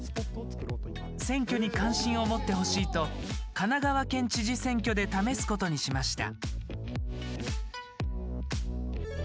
選挙に関心を持ってほしいと神奈川県知事選挙で試すことにしました。